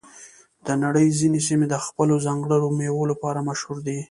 د نړۍ ځینې سیمې د خپلو ځانګړو میوو لپاره مشهور دي.